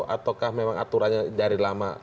atau memang aturannya dari laman